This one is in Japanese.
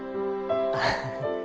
アハハ。